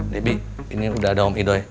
debbie ini udah ada om idoi